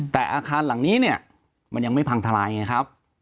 แต่อาคารหลังนี้เนี่ยมันยังไม่พังทลายไงครับ